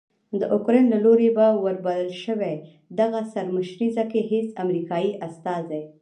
داوکرایین له لوري په وربلل شوې دغه سرمشریزه کې هیڅ امریکایي استازی